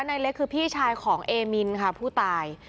นายเล็กคือพี่ชายของเอมินค่ะผู้ตาย